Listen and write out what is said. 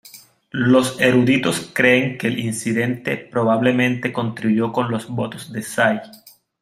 Los eruditos creen que el incidente probablemente contribuyó con los votos de Tsai.